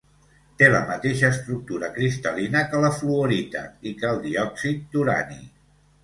Té la mateixa estructura cristal·lina que la fluorita i que el diòxid d'urani.